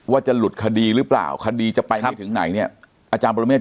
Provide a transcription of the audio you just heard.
ว่าจะหลุดคดีหรือเปล่าคดีจะไปไม่ถึงไหนเนี่ยอาจารย์ปรเมฆ